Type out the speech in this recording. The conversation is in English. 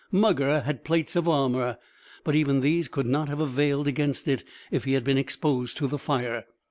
Mugger had plates of armour, but even these could not have availed against it if he had been exposed to the fire.